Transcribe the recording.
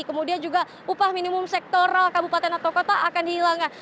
kemudian juga upah minimum sektoral kabupaten atau kota akan dihilangkan